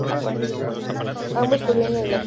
Ambos provienen del latín "terra".